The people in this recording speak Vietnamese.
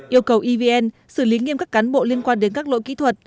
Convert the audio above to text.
yêu cầu evn xử lý nghiêm các cán bộ liên quan đến các lỗi kỹ thuật